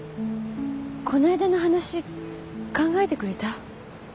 この間の話考えてくれた？